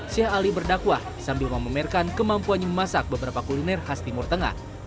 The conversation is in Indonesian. sheikh ali berdakwah sambil memamerkan kemampuannya memasak beberapa kuliner khas timur tengah